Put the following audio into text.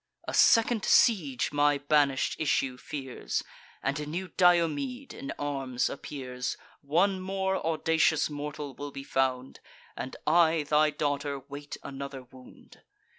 A second siege my banish'd issue fears, And a new Diomede in arms appears. One more audacious mortal will be found; And I, thy daughter, wait another wound.